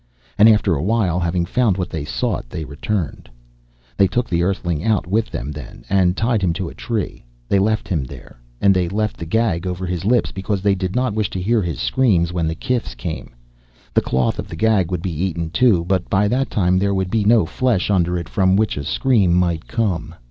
And after a while, having found what they sought, they returned. They took the Earthling out with them, then, and tied him to a tree. They left him there, and they left the gag over his lips because they did not wish to hear his screams when the kifs came. The cloth of the gag would be eaten, too, but by that time, there would be no flesh under it from which a scream might come.